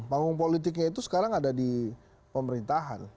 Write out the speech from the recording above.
panggung politiknya itu sekarang ada di pemerintahan